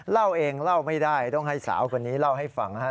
เล่าเองเล่าไม่ได้ต้องให้สาวคนนี้เล่าให้ฟังนะครับ